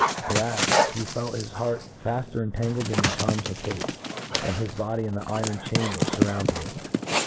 Alas ! 'he felt his hqart fafter entangled in the charms of Kate, than hi$ body in the iron chain which furroundcd it.